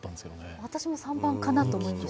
私も３番かなと思いました。